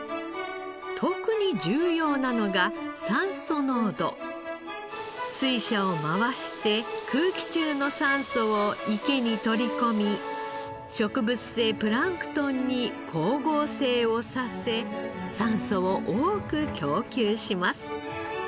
特に重要なのが水車を回して空気中の酸素を池に取り込み植物性プランクトンに光合成をさせ酸素を多く供給します。